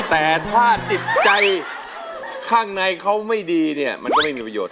แต่ถ้าจิตใจข้างในเขาไม่ดีเนี่ยมันจะไม่มีประโยชน